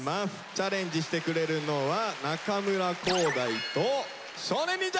チャレンジしてくれるのは中村浩大と少年忍者！